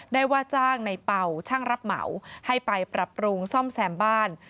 ว่าจ้างในเป่าช่างรับเหมาให้ไปปรับปรุงซ่อมแซมบ้าน